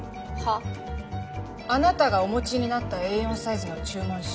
あなたがお持ちになったＡ４サイズの注文書。